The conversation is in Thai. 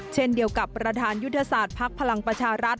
เช่นเดียวกับประธานยุทธศาสตร์ภักดิ์พลังประชารัฐ